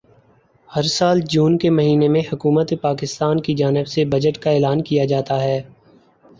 ہر سال جون کے مہینے میں حکومت پاکستان کی جانب سے بجٹ کا اعلان کیا جاتا ہے